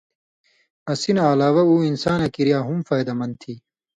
اسی نہ علاوہ اُو انساناں کریا ہُم فائدہ مند تھی۔